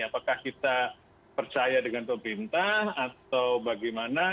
apakah kita percaya dengan pemerintah atau bagaimana